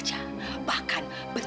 tidak ada foto